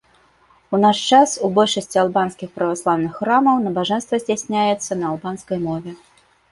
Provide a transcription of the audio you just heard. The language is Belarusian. У наш час у большасці албанскіх праваслаўных храмаў набажэнства здзяйсняецца на албанскай мове.